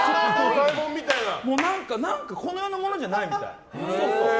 何かこの世のものじゃないみたい。